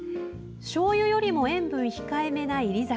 しょうゆよりも塩分控えめな煎り酒。